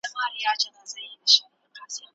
ملي سوداګر د خلکو اړتیاوې پوره کوي.